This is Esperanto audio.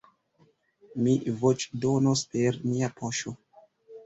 Mi voĉdonos per mia poŝo.